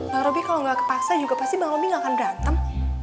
bang robi kalau gak kepaksa juga pasti bang romi gak akan berantem